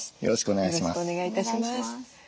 よろしくお願いします。